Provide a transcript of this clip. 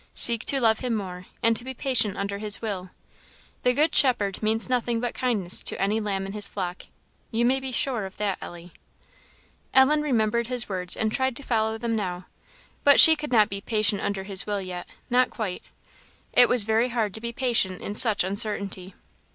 Seek to love him more, and to be patient under his will; the good Shepherd means nothing but kindness to any lamb in his flock you may be sure of that, Ellie." Ellen remembered his words, and tried to follow them now, but she could not be "patient under his will" yet not quite. It was very hard to be patient in such uncertainty.